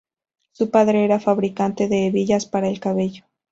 Su padre era fabricante de hebillas para el cabello.